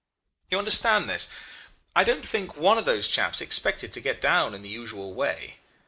"You understand this? I don't think one of those chaps expected to get down in the usual way.